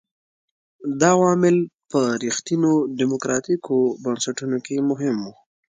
دا عوامل په رښتینو ډیموکراټیکو بنسټونو کې مهم وو.